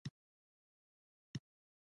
خړې خړۍ کوڅې